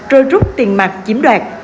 rồi rút tiền mặt chiếm đoạt